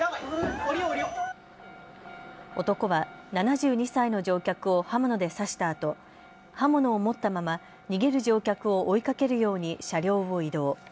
男は７２歳の乗客を刃物で刺したあと、刃物を持ったまま逃げる乗客を追いかけるように車両を移動。